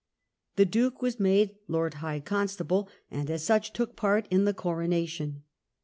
The Duke was made Lord High Constable, and as such, took part in the coronation.